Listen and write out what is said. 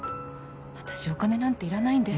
私お金なんていらないんです